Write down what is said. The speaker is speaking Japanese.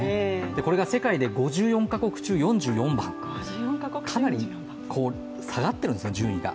これが世界で５４か国中４４番、かなり下がっているんですね、順位が。